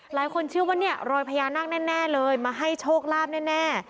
หลายคนเชื่อว่าเนี่ยรอยพญานาคแน่เลยมาให้โชคลาภแน่